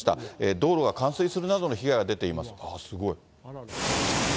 道路が冠水するなどの被害が出ています。